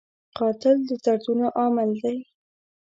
قاتل د دردونو عامل دی